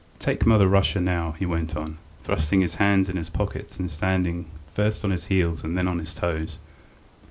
"Take Mother Russia now," he went on, thrusting his hands in his pockets and standing first on his heels and then on his toes.